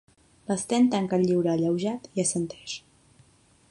L'Sten tanca el llibre alleujat i assenteix.